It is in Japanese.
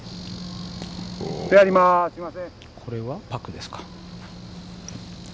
これはパクですか。